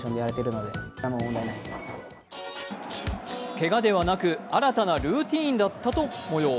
けがではなく新たなルーティンだった模様。